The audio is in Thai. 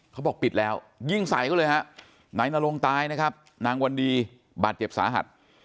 เขาบอกปิดแล้วยิงใส่เขาเลยฮะนายนรงตายนะครับนางวันดีบาดเจ็บสาหัส